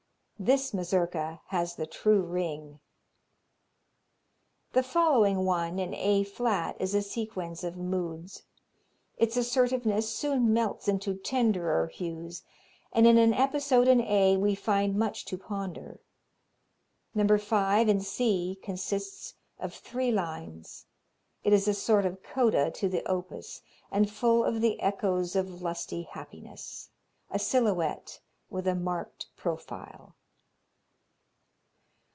This Mazurka has the true ring. The following one, in A flat, is a sequence of moods. Its assertiveness soon melts into tenderer hues, and in an episode in A we find much to ponder. No. 5, in C, consists of three lines. It is a sort of coda to the opus and full of the echoes of lusty happiness. A silhouette with a marked profile.